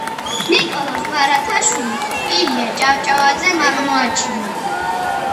ნიკოლოზ ბარათაშვილი ილია ჭავჭავაძემ აღმოაჩინა